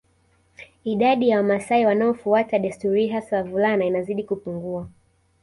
Idadi ya Wamasai wanaofuata desturi hii hasa wavulana inazidi kupungua